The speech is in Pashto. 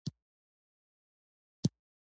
پخو نظرونو بدلون راځي